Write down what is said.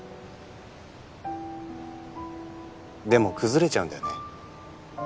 でも崩れちゃうんだよね。